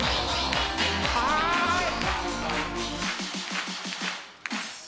はい！